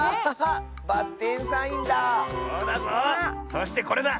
そしてこれだ。